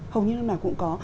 hầu như năm nào cũng có